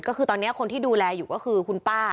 ก็คือตอนนี้คนที่ดูแลอยู่ก็คือคุณป้า